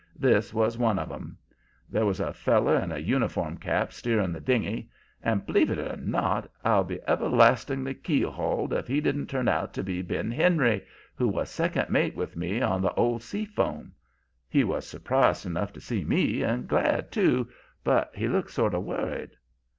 This was one of 'em. There was a feller in a uniform cap steering the dingey, and, b'lieve it or not, I'll be everlastingly keelhauled if he didn't turn out to be Ben Henry, who was second mate with me on the old Seafoam. He was surprised enough to see me, and glad, too, but he looked sort of worried.